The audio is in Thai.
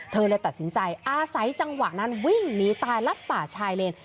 เลยตัดสินใจอาศัยจังหวะนั้นวิ่งหนีตายรัดป่าชายเลน